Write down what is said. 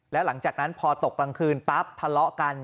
แล้วหลังจากนั้นพอตกกลางคืนปั๊บทะเลาะกัน